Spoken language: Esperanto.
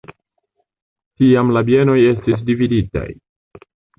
Tiam la bienoj estis dividitaj.